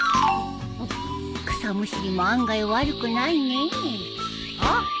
草むしりも案外悪くないねえあっ！